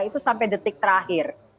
itu sampai detik terakhir